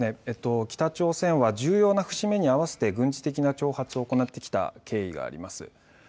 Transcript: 北朝鮮は重要な節目に合わせて軍事的な挑発を行ってきた経緯があります。